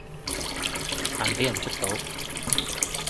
但畀人捉到